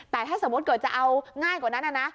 แต่ถ้าสมมุติเกิดจะเอาง่ายกว่านั้นนะ